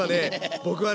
僕はね